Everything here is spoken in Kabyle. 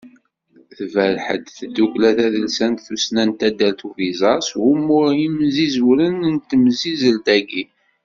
Tberreḥ-d, tddukkla tadelsant "Tussna" n taddart n Ubiẓar, s wumuɣ n yimsizewren n temsizzelt-agi.